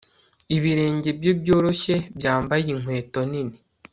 Ibirenge bye byoroshye byambaye inkweto nini